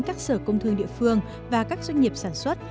các sở công thương địa phương và các doanh nghiệp sản xuất